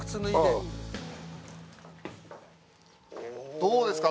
どうですか？